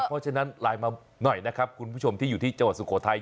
เพราะฉะนั้นไลน์มาหน่อยนะครับคุณผู้ชมที่อยู่ที่จังหวัดสุโขทัย